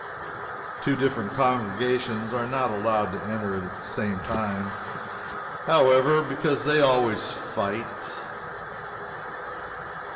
Two different congregations are not allowed to enter at the same time, however, because they always fight.